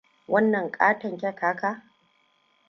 Wannan ƙaton kek haka!